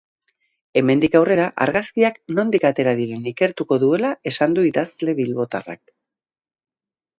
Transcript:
Hemendik aurrera, argazkiak nondik atera diren ikertuko duela esan du idazle bilbotarrak.